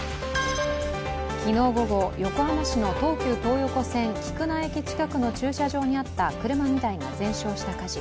昨日午後、横浜市の東急東横線菊名駅近くの駐車場にあった車２台が全焼した火事。